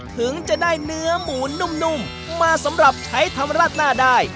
ถึงจะได้เนื้อหมูนุ่มมาสำหรับใช้ทำราดหน้าได้